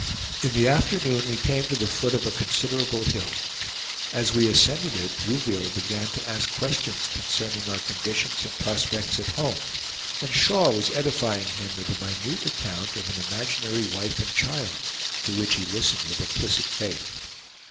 In the afternoon we came to the foot of a considerable hill. As we ascended it Rouville began to ask questions concerning our conditions and prospects at home, and Shaw was edifying him with a minute account of an imaginary wife and child, to which he listened with implicit faith.